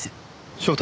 翔太？